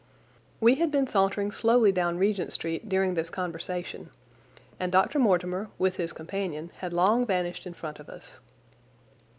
We had been sauntering slowly down Regent Street during this conversation, and Dr. Mortimer, with his companion, had long vanished in front of us.